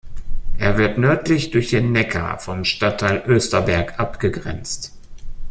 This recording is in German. Er wird nördlich durch den Neckar vom Stadtteil Österberg abgegrenzt.